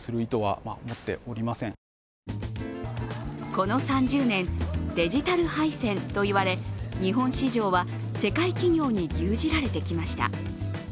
この３０年、デジタル敗戦と言われ日本市場は世界企業に牛耳られてきました。